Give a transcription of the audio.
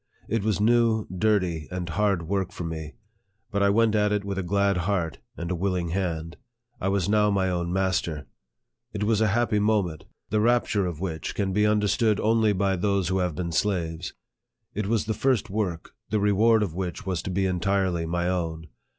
It was new, dirty, and hard work for me ; but I went at it with a glad heart and a willing hand. I was now my own master. It was a happy moment, the rapture of which 116 NARRATIVE OF THE can be understood only by those who have been slaves. It was the first work, the reward of which was to be entirely my own.